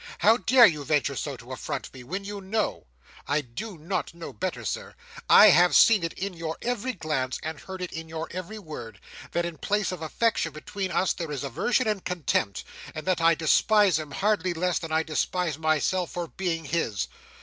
How dare you venture so to affront me, when you know—I do not know better, Sir: I have seen it in your every glance, and heard it in your every word—that in place of affection between us there is aversion and contempt, and that I despise him hardly less than I despise myself for being his!